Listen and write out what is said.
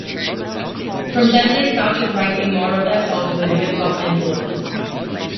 From then they started writing more of their songs with a hip hop influence.